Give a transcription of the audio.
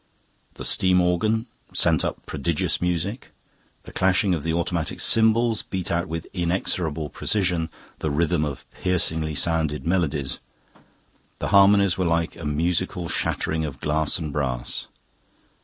The steam organ sent up prodigious music. The clashing of automatic cymbals beat out with inexorable precision the rhythm of piercingly sounded melodies. The harmonies were like a musical shattering of glass and brass.